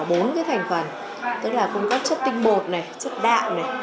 phải có bốn cái thành phần tức là cung cấp chất tinh bột này chất đạm này